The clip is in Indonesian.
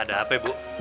ada apa bu